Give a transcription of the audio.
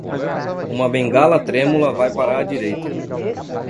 Uma bengala trêmula vai para a direita.